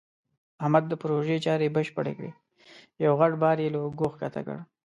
احمد د پروژې چارې بشپړې کړې. یو غټ بار یې له اوږو ښکته کړ.